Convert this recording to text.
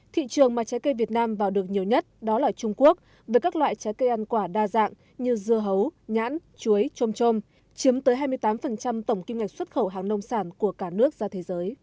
thị trường mà trái cây việt nam vào được nhiều nhất đó là trung quốc với các loại trái cây ăn quả đa dạng như dưa hấu nhãn chuối trôm trôm chiếm tới hai mươi tám tổng kim ngạch xuất khẩu hàng nông sản của cả nước ra thế giới